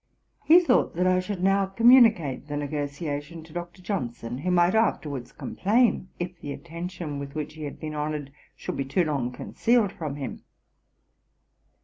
He thought that I should now communicate the negociation to Dr. Johnson, who might afterwards complain if the attention with which he had been honoured, should be too long concealed from him.